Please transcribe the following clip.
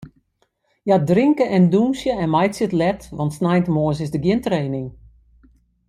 Hja drinke en dûnsje en meitsje it let, want sneintemoarns is der gjin training.